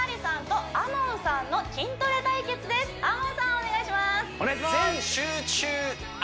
お願いします